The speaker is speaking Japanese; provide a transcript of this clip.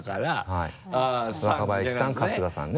はい「若林さん」「春日さん」ね。